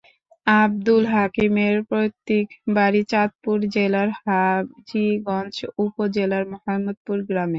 আবদুল হাকিমের পৈতৃক বাড়ি চাঁদপুর জেলার হাজীগঞ্জ উপজেলার মোহাম্মদপুর গ্রামে।